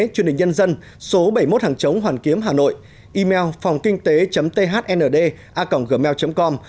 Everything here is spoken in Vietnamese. chương trình nhân dân số bảy mươi một hàng chống hoàn kiếm hà nội email phongkinhtế thnda gmail com